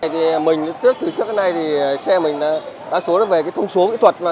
từ trước đến nay thì xe mình đa số về thông số kỹ thuật mà